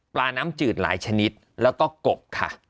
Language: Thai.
น้ำจืดหลายชนิดแล้วก็กบค่ะ